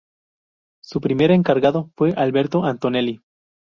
Su primer encargado fue Alberto Antonelli.